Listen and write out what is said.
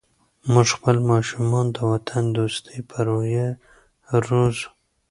موږ خپل ماشومان د وطن دوستۍ په روحیه روزو.